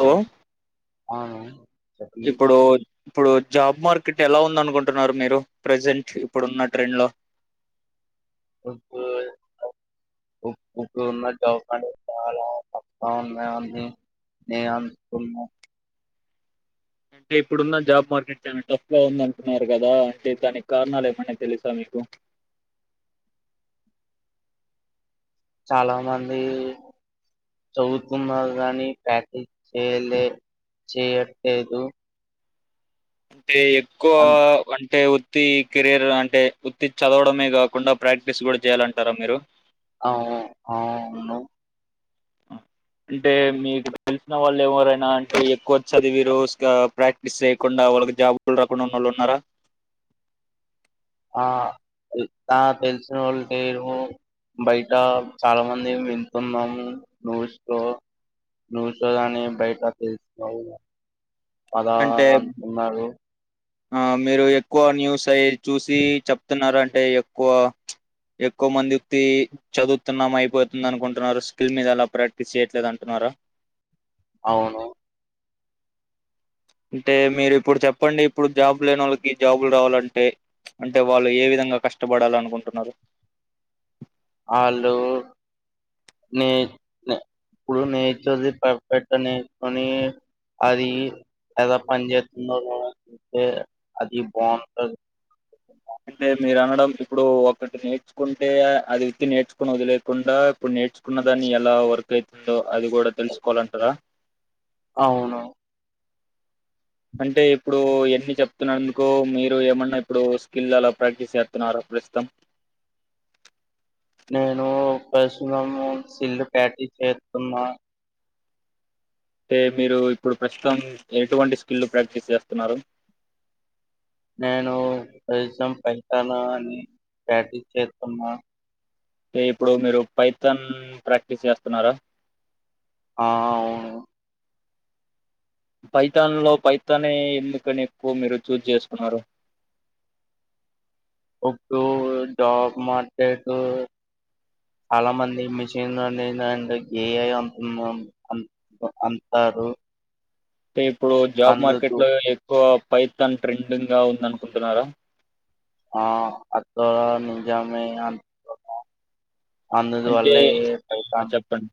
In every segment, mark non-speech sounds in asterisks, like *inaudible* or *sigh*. Hello అవును. అవును. చెప్పండి. ఇప్పుడు ఇప్పుడు జాబ్ మార్కెట్ ఎలా ఉంది అనుకుంటున్నారు మీరు ప్రజెంట్ ఇప్పుడున్న ట్రెండ్ లో ఇప్పుడు ఉన్న జాబ్ అండ్ చాలా అస్త ఉన్నాయని నే అనుకున్నా అంటే ఇప్పుడున్న జాబ్ మార్కెట్ చాలా టఫ్ గా ఉందాంటున్నారు కదా అంటే దానికి కారణాలు ఏమన్నా తెలుసా మీకు చాలా మంది చదువుతున్నారు కాని ప్యాక్టిస్ చేయలే చేయట్లేదు అంటే ఎక్కువ అన్ వం అంటే ఉత్తి కెరీర్ అంటే ఉత్తి చదవడమే కాకుండా ప్రాక్టీస్ కూడా చేయాలంటారా మీరు అవువు ఆ ను అంటే మీకు తెలిసిన వాళ్ళు ఎవరైనా అంటే ఎక్కువ చదివిరు స్కా ప్రాక్టీస్ చేయ్యకుండా వాళ్ళకి జాబులు రాకుండా ఉన్నోళ్ళు ఉన్నారా ఆ ఉ ఆ తెలిసినోళ్లు లేరు బయట చాలా మంది వింటున్నాము న్యూస్ లో న్యూస్ లో కాని బయట తెలుస్తుస్థాయి అలా అంటే అనుకున్నారు ఆ మీరు ఎక్కువ న్యూస్ అయి చూసి చెప్తున్నారు అన్ అంటే ఎక్కువ ఎక్కువ ప్చ్ మంది తి చదువుతున్నాం అయిపోతుంది అనుకుంటున్నారు, స్కిల్ మీద అలా ప్రాక్టీస్ చేయట్లేదు అంటున్నార. అవును అంటే మీరు ఇప్పుడు చెప్పండి ఇప్పుడు జాబ్ లేనోళ్ళకి జాబులు రావాలంటే, అంటే వాళ్ళు ఏ విధంగా కష్టపడాల అనుకుంటున్నారు. ఆళ్ళు నే ఇ ప్పుడు నేర్చది పర్ఫెక్ట్ గ నేర్చుకొని అది ఎలా పని జెతుందో లేదంటే అది బాగుంటంది అంటే మీరు అనడం ఇప్పుడు ఒకటి నేర్చుకుంటే అది వితి నేర్చుకుని వదిలేకుండా ఇప్పుడు నేర్చుకున్న దాన్ని ఎలా వర్క్ ఐతుందో అది కూడా తెలుసుకోవాలంటరా అవును అంటే ఇప్పుడు ఎన్ని చెప్తున్నందుకు మీరు ఏమన్నా ఇప్పుడు స్కిల్ అలా ప్రాక్టీస్ సేతున్నారా ప్రస్తుతం నేను ప్రశతం సిల్లు పటి చేతున్నా అంటే మీరు ఇప్పుడు ప్రస్తుతం ఎటువంటి స్కిల్లు ప్రాక్టీస్ చేస్తున్నారు నేను ప్రసన్ పైతను అని ప్రాటీస్ చేతున్నా టే ఇప్పుడు మీరు పైథన్ ప్రాక్టీస్ చేస్తున్నారా ఆ అవును పైతాన్ లో పైతానే ఎందుకని ఎక్కువ మీరు చూజ్ చేసుకున్నారు ఇప్పుడు డా మార్కెటు చాలా మంది మిషన్ని అండ్ ఎందంటే గే అయి అమ్ ఆ అంటారు తే ఇప్పుడు జాబ్ మార్కెట్ అందుకు లో ఎక్కువ పైతన్ ట్రెండింగ్ గా ఉందనుకుంటున్నారా ఆ అతరా నిజామే అంత అందుద్దు అంటే వళ్ళే ఆ! పైతాన్ చెప్పండి.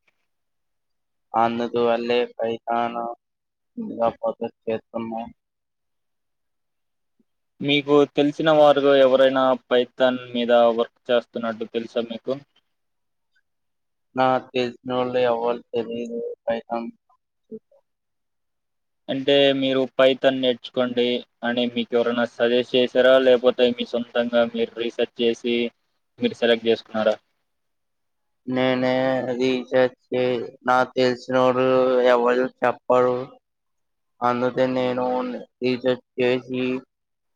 అందుకు వల్లే పైతాను లేపోతే చెస్సునో మీకు తెలిసిన వారిలో ఎవరైనా పైథన్ మీద వర్క్ చేస్తున్నట్టు తెలుసా మీకు నాక్ తెలిసినోళ్ళో ఎవలికి తెలిదు పైతాన్ ఉ అంటే మీరు పైతన్ని నేర్చుకోండి అని మీకు ఎవరైనా సజెస్ట్ చేసారా లేకపోతే మీ సొంతంగా మీరు రీసెర్చ్ చేసి మీరు సెలెక్ట్ చేసుకున్నారా నేనే రీచార్జ్ చే నా తెలిసిన వాడు అవు చెప్పరు అందుకే నేను రీచార్జ్ చేసి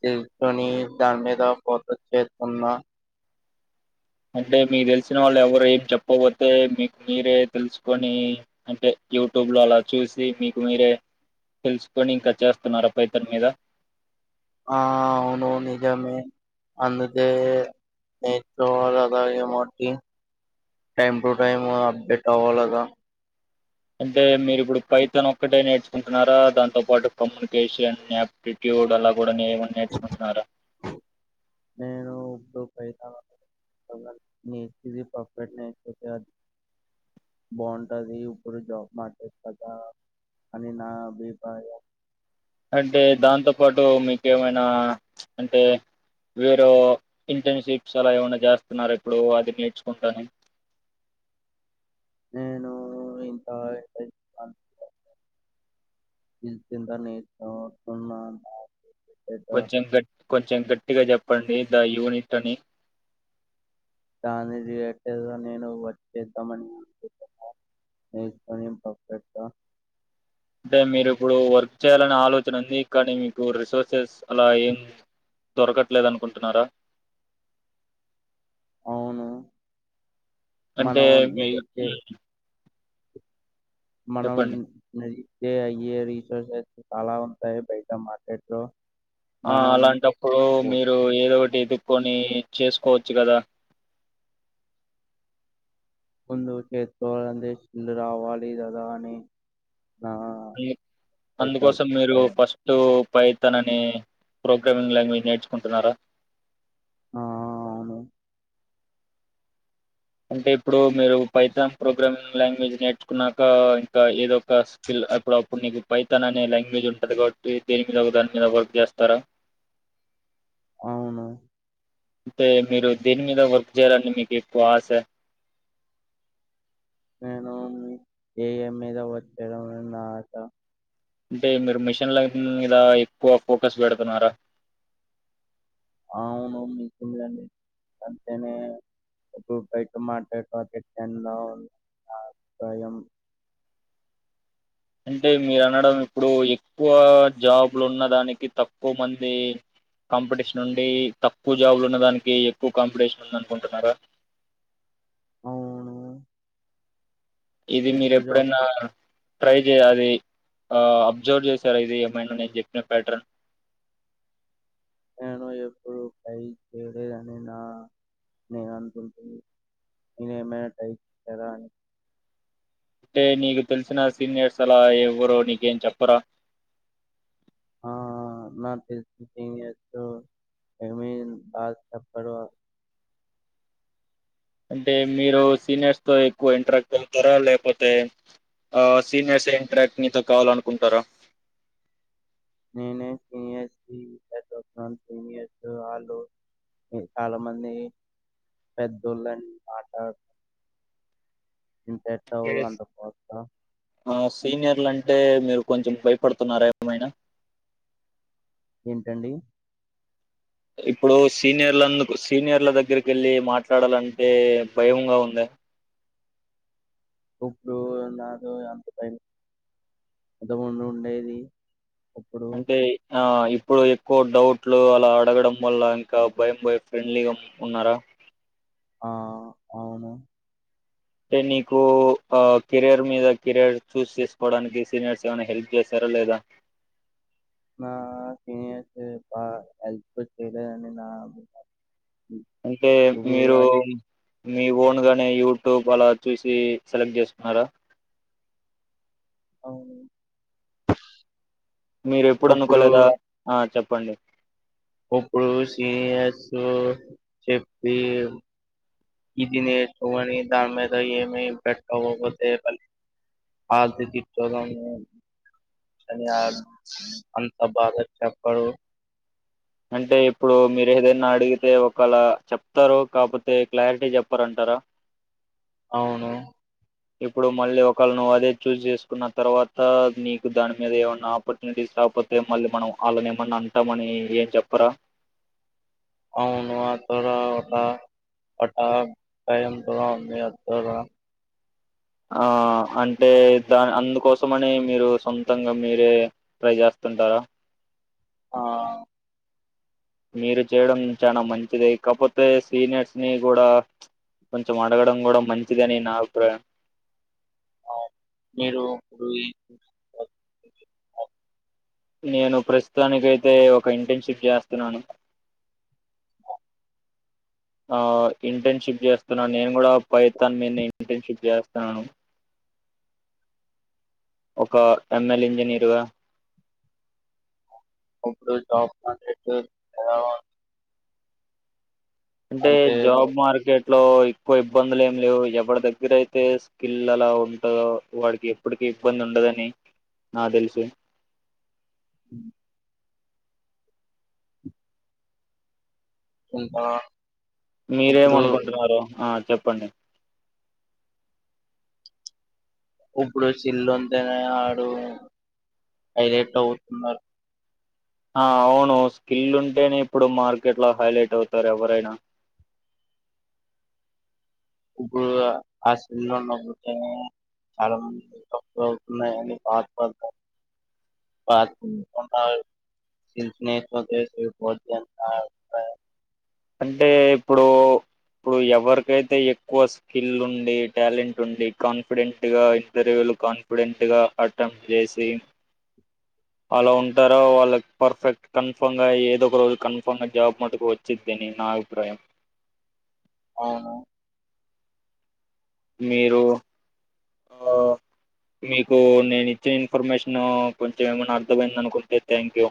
తెలుసుని దాని మీద ఫోకస్ చేస్తున్నా అంటే మీకు తెలిసిన వాళ్ళు ఎవరు ఏం చెప్పబోతే మీకు మీరే తెలుసుకొని అంటే యూట్యూబ్ లో అలా చూసి మీకు మీరే తెలుసుకొని ఇంకా చేస్తున్నారు పైతాన్ మీద ఆ అవును నిజమే అందుకే నేర్చుకోవాలిగద మట్కి టైమ్ టు టైం అప్డేట్ అవ్వాలగా అంటే మీరు ఇప్పుడు పైతన్ ఒక్కటే నేర్చుకుంటున్నారా దాతో పాటు కమ్యూనికేషన్ యాప్టిట్యూడ్ అలా కూడా నే మరి నేర్చుకుంటున్నారా *unintelligible* నీది పర్ఫెక్ట్నెస్ కాద్ బాగుంటది ఇప్పుడు జాబ్ మాటర్ కదా అని నా అభిప్రాయం అంటే దాంతో పాటు మీకెమైనా అంటే వేరే ఇంటర్న్షిప్స్ అలా ఏమనా చేస్తున్నారు ఇప్పుడు అది నేర్చుకుంటాను నేను ఇంత ఎటన్షన్ *unintelligible* స్కిల్స్ ఎంత నేర్చుకోకున్న కానీ కొంచెం గట్ కొంచెం గట్టిగా జప్ సండే గ యూనిట్ అని కాని రియాక్టేదో నేను వచ్చేద్దామని *unintelligible* నేర్చకొని పపెటో అంటే మీరు ఇప్పుడు వర్క్ చేయాలనే ఆలోచన మీకు కానీ మీకు రిసోర్సెస్ అలా ఏం దొరకట్లేదు అనుకుంటున్నారా అవును అంటే మనం మీరు నేర్చే హు మనం నహీ దే అయేది రీసోర్సెస్ చాలా ఉంటాయి బయట మార్కెట్ లో ఆ మనం అలాంటప్పుడు మీరు ఏదోవ్ట్ ఎదుకొని చేసుకోవచ్చు కదా ముందు చేత్తోవందిస్ ఫులు రావాలి కదా అని నా మీర్ సెటప్ అందుకోసం మీరు పైన ఫస్టు పైతనని ప్రొకమింగ్ లాంగ్వేజ్ నేర్చుకుంటున్నారా ఆ ఆ అవును అంటే ఇప్పుడు మీరు పైతాం ప్రోగ్రామింగ్ లాంగ్వేజ్ నేర్చుకున్నాక ఇంకా ఏదో టాస్కిల్ ఎప్పుడప్పుడు నీకు పైతాన్ అనే లాంగ్వేజ్ ఉంటుంది కాబట్టి దేని మీద ఒక దాని మీద వర్క్ చేస్తారా అవును అంటే మీరు దేని మీద వర్క్ చేయాలని మీకు ఎక్కువ ఆస నేను ఎమ్ మీద వర్క్ చేదామనని ఆశ అంటే మీరు మిషన్ లైఫ్ హుమ్ మీద ఎక్కువ ఫోకస్ బెడుతున్నారా అవును *unintelligible* స్వయం అంటే మీరు అనడం. ఇప్పుడు ఎక్కువ జాబ్లు ఉన్నదానికి తక్కువ మంది కాంపిటీషన్ ఉండి. తక్కువ జాబ్లు ఉన్నదానికి ఎక్కువ కాంపిటీషన్ ఉన్నదానుకుంటున్నారా. అవును ఇది ఎత్తు జాబ్ మీరేపుడైనా ట్రై తే అది ఆ అబ్జర్వ్ జేశారా ఇది ఏమైనా నేను చెప్పిన ప్యాట్రాన్ నేను ఎప్పుడు టై చేయలేదని నా నేను అనుకుంటున్నా నేనమైన టై చేయారా అని అంటే నీకు తెలిసిన సీనియర్స్ అలా ఎవరు నీకేం చెప్పరా హా నాకు తెల్సి సీనియర్స్ ఏమి డాట్స్ చెప్పరు అంటే మీరు సీనియర్స్ తో ఎక్కువ ఇంటరాక్ట్ అవుతారా లేకపోతే, ఆ సీనియర్స్ ఏ ఇంటరాక్ట్ మీతో కావాలనుకుంటారా? నేనే సీనియర్స్కి *unintelligible* సీనియర్స్ వాళ్ళు చాలా మంది పెద్దోళ్ళని మాట్లాడ్ ఆ సీనియర్లంటే మీరు కొంచం భయపడుతున్నారా ఏమైనా ఏంటండి ఇప్పుడు సీనియర్లందుకు సీనియర్ల దగ్గరకెళ్లి మాట్లాడాలంటే భయంగా ఉందా డు నాకు అంత టైం ఇంతమందు ఉండేది ఇప్పుడు అంటే ఆ ఇప్ ఇప్పుడు ఎక్కువ డౌట్లు అలా అడగడం వల్ల ఇంకా భయం భయం ఫ్రెండ్లీగా ఉన్నారా ఆ అవును అంటే నీకు ఆ కెరియర్ మీద కెరయర్ చూస్ చేసుకోవడానికి సీనియర్స్ ఏమైనా హెల్ప్ చేశారా లేదా నా సీనియర్స్ బా హెల్ప్ చేయలేదని నా బా ఉంటే మీరూం మీ ఓన్ గానే యూట్యూబ్ అలా చూసి సెలగ్న్ట్ చేసుకున్నారా అవును మీర్ ఎప్పుడు ఇప్పుడు అనుకోలేదా ఆ చెప్ ప్పడి ఇప్పుడు సీనియర్స్ చెప్పి ఇది నేర్చుమని దాని మీద ఏం ఏం పెట్టకపోతే కాల్స్ ఆ తీర్చోదాంని *unintelligible* అంత బాధ చెప్పడు అంటే ఇప్పుడు మీర్ ఏదైనా అడిగితే ఒకేళ చెప్తారు కాకపోతే క్లారిటీ చెప్పారంటారా? అవును ఇప్పుడు మళ్ళీ ఒకవేళ నువ్ అదే చూజ్ చేసుకున్న తర్వాత, నీకు దాని మీద ఏమన్నా ఆపర్చునిటీస్ రాకపోతే మళ్ళీ మనం వాళ్ళని ఏమన్నా అంటామని ఏ చెపరా అవును అక్కడ ఆ చెప్పారు భయం కూడా ఉంది *unintelligible* ఆ అంటే దా అందుకోసమని మీరు సొంతంగా మీరే ట్రై చేస్తుంటారా? ఆ మీరు చేయడం చానా మంచిదే, కాకపోతే సీనియర్స్ ని కూడా కొంచెం అడగడం కూడా మంచిది అని నా అభిప్రాయం. మరు రూయ్ నేను ప్రస్థానికి అయితే ఒక ఇంటర్న్షిప్ చేస్తున్నాను. ఆ ఇంటర్న్షిప్ చేస్తున్నాను నేను కూడా పైతన్ మీదనే ఇంటర్న్షిప్ చేస్తున్నాను. ఒక ఎంఎల్ ఇంజనీరుగా అప్పుడు జాఫ రటర్యా ఎలా అంటే జాబ్ మార్కెట్ ట్లో ఎక్కువ ఇబ్బందులు ఏం లేవు, ఎవడి దగ్గర అయితే స్కిల్ అలా ఉంటందో వాడికి ఎప్పటికి ఇబ్బంది ఉండదని నా తెలుసు అ ఉంట మీర్ ఏం అనుకుంటున్నారు ఆ చెప్పండి ఇప్పుడు సిల్లుందేనే ఆడు హైలైట్ అవుతున్నారు ఆ అవును స్కిల్ ఉంటేనే ఇప్పుడు మార్కెట్ లో హైలైట్ అవుతారు ఎవరైనా ఇప్పుడు ఆ స్కిల్ ఉన్నందుకే చాలా మంది సెటిల్ అవుతున్నారు టాక్ బయట *unintelligible* అంటే ఇప్పుడు ఇప్పుడు ఎవరికైతే ఎక్కువ స్కిల్ ఉండి, టాలెంట్ ఉండి కాన్ఫిడెంట్గా ఇంటర్వ్యూలు కాన్ఫిడెంట్గా అటెంప్ట్ చేసి అలా ఉంటారో వాళ్ళకి పర్ఫెక్ట్ కన్ఫామ్ గా ఏదో ఒక రోజు కన్ఫామ్ గా జాబ్ మటుకు వచ్చిదిని నా అభిప్రాయం. అవును మీరు ఆ మీకు నేను ఇచ్చిన ఇన్ఫర్మేషను కొంచెం ఏమైనా అర్థమైందనుకుంటే థ్యాంక్ యూ